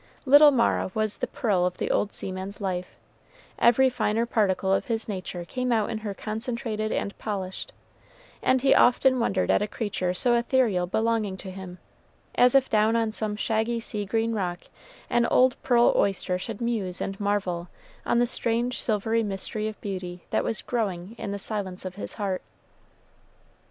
Little Mara was the pearl of the old seaman's life, every finer particle of his nature came out in her concentrated and polished, and he often wondered at a creature so ethereal belonging to him as if down on some shaggy sea green rock an old pearl oyster should muse and marvel on the strange silvery mystery of beauty that was growing in the silence of his heart.